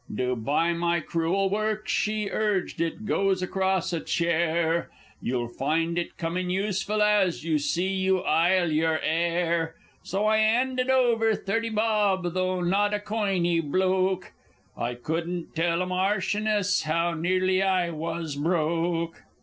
"Do buy my crewel work," she urged, "it goes across a chair, You'll find it come in useful, as I see you 'ile your 'air!" So I 'anded over thirty bob, though not a coiny bloke. I couldn't tell a Marchioness how nearly I was broke!